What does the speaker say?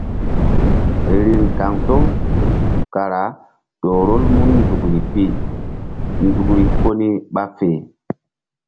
Riŋ kaŋto kara ƴo rol mun nzukri pi nzukri ko ni ɓa fe.